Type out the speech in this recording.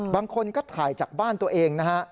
บางคนก็ถ่ายจากบ้านตัวเองนะฮะ